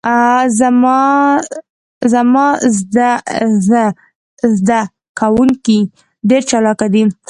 زما ذده کوونکي ډیر چالاکه دي.